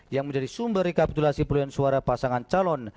yang menjadi sumber rekapitulasi perolehan suara pasangan calon